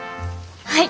はい！